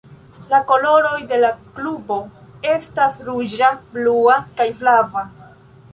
La koloroj de la klubo estas ruĝa, blua, kaj flava.